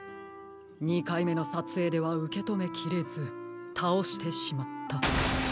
２かいめのさつえいではうけとめきれずたおしてしまった。